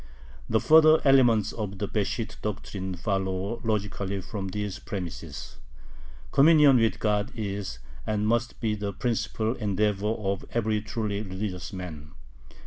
The further elements of the Besht doctrine follow logically from these premises. Communion with God is and must be the principal endeavor of every truly religious man.